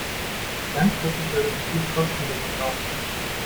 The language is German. Langfristig soll der Betrieb kostendeckend laufen.